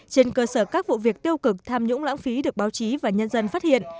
trên cơ sở các vụ việc tiêu cực tham nhũng lãng phí được báo chí và nhân dân phát hiện